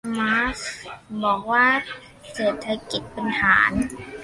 มาร์กซ์บอกว่าเศรษฐกิจเป็นฐาน